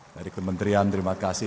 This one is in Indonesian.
dari kementerian terima kasih